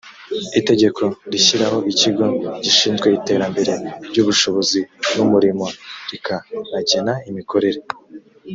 itegeko rishyiraho ikigo gishinzwe iterambere ry’ubushobozi n’umurimo rikanagena imikorere